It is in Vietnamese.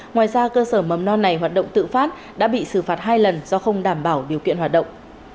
ngoài ra cơ sở mầm non này hoạt động tự phát đã bị xử phạt hai lần do không đảm bảo điều kiện hoạt động